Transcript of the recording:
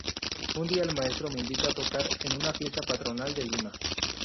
Un día el maestro me invita a tocar en una fiesta patronal de Lima.